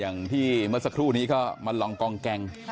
มันออกมันแปลงแต่ละน้องกองแกง